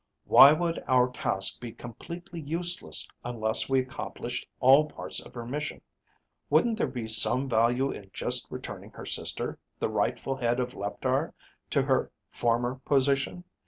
Why would our task be completely useless unless we accomplished all parts of her mission? Wouldn't there be some value in just returning her sister, the rightful head of Leptar, to her former position?